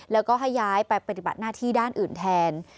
แล้วก็ให้ย้ายไปปฏิบัติหน้าที่ด้านอื่นแทน